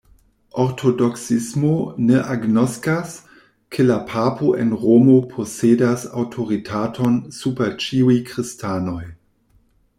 Ortodoksismo ne agnoskas, ke la papo en Romo posedas aŭtoritaton super ĉiuj Kristanoj.